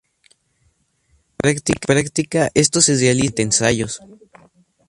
En la práctica, esto se realiza mediante ensayos.